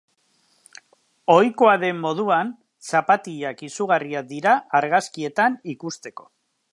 Ohikoa den moduan, zapatilak izugarriak dira argazkietan ikusteko.